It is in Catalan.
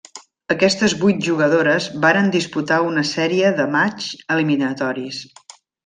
Aquestes vuit jugadores varen disputar una sèrie de matxs eliminatoris.